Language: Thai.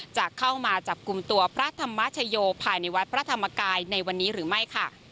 จะเข้ามาจับกลุ่มตัวพระธรรมชโยภายในวัดพระธรรมกายในวันนี้หรือไม่ค่ะ